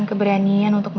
temuin ya papa